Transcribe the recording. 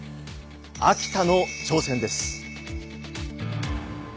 秋田の挑戦です。